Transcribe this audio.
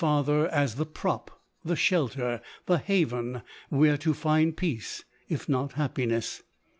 21 5 father, as the prop, the shelter, the haven, where to find peace, if not happiness.